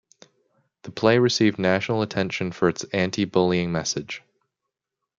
The play received national attention for its anti-bullying message.